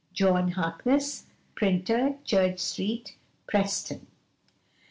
John Harkness, Printer, Church Street, Preston.